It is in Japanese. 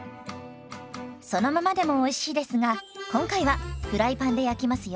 そのままでもおいしいですが今回はフライパンで焼きますよ。